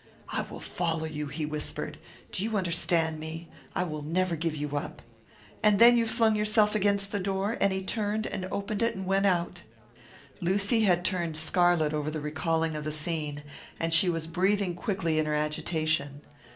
"'I will follow you!' he whispered. 'Do you understand me? I will never give you up!' "And then you flung yourself against the door, and he turned and opened it and went out." Lucy had turned scarlet over the recalling of the scene, and she was breathing quickly in her agitation.